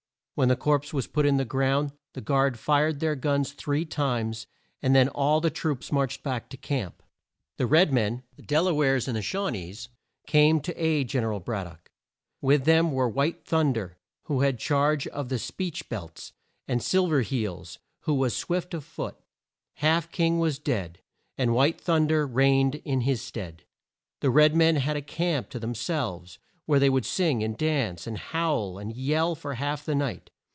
When the corpse was put in the ground, the guard fired their guns three times, and then all the troops marched back to camp. The red men the Del a wares and Shaw nees came to aid Gen er al Brad dock. With them were White Thun der, who had charge of the "speech belts," and Sil ver Heels, who was swift of foot. Half King was dead, and White Thun der reigned in his stead. The red men had a camp to them selves, where they would sing, and dance, and howl and yell for half the night.